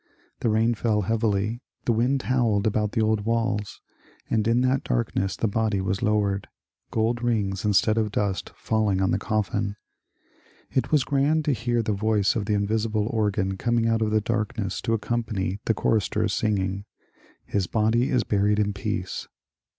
The rain fell heavily, the wind howled about the old walls, and in that darkness the body was lowered, — gold rings instead of dust falling on the cofiKn. It was grand to hear the voice of the invisible organ coming out of the darkness to ac company the choristers singing ^^ His body is buried in peace."